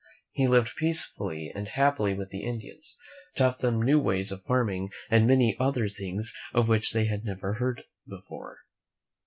He lived peacefully and happily with the Indians, taught them new ways of farming and many other things of which they had never heard before.